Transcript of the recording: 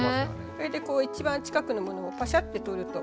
それでこう一番近くのものをパシャッて撮ると。